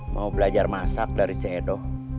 mau belajar masak dari cedo